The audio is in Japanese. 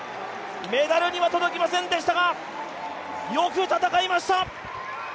メダルには届きませんでしたが、よく戦いました。